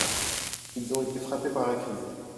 Ils ont été frappé par la crise.